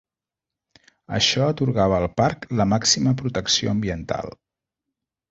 Això atorgava al Parc la màxima protecció ambiental.